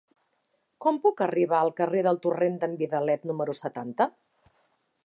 Com puc arribar al carrer del Torrent d'en Vidalet número setanta?